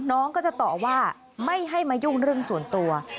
น้องก็จะต่อว่าไม่ให้มายุ่งเรื่องส่วนตัว